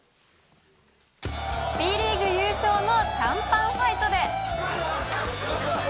Ｂリーグ優勝のシャンパンファイトで。